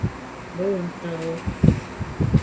Быуын сығыу